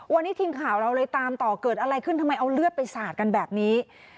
วันนี้ทีมข่าวเราเลยตามต่อเกิดอะไรขึ้นทำไมเอาเลือดไปสาดกันแบบนี้